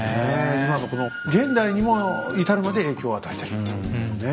今のこの現代にも至るまで影響を与えてるというね。